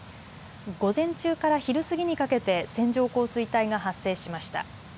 午前中から昼過ぎにかけて線状降水帯が発生しました。